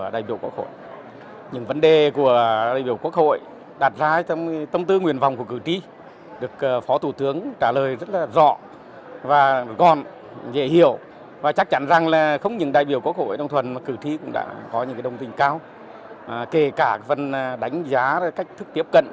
đồng chí là vấn đề của đại biểu quốc hội đạt ra tâm tư nguyền vọng của cử trí được phó thủ tướng trả lời rất là rõ và gọn dễ hiểu và chắc chắn rằng là không những đại biểu quốc hội đồng thuần mà cử trí cũng đã có những đồng tình cao kể cả đánh giá cách tiếp cận cũng như các cái giải pháp rõ trong thời gian tới